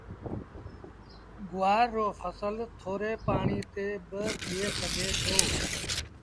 گُوآر رو ڦسل ٿوري پآڻيٚ تي با ٿئي سگھي دو